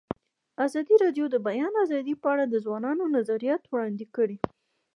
ازادي راډیو د د بیان آزادي په اړه د ځوانانو نظریات وړاندې کړي.